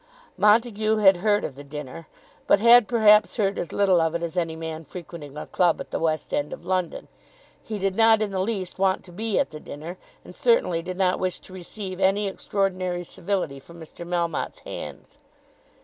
Montague had heard of the dinner, but had perhaps heard as little of it as any man frequenting a club at the west end of London. He did not in the least want to be at the dinner, and certainly did not wish to receive any extraordinary civility from Mr. Melmotte's hands.